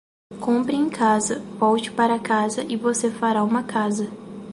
Compre em casa, volte para casa e você fará uma casa.